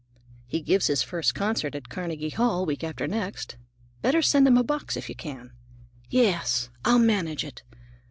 "He gives his first concert at Carnegie Hall, week after next. Better send him a box if you can." "Yes, I'll manage it."